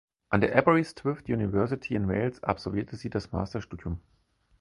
An der Aberystwyth University in Wales absolvierte sie das Masterstudium.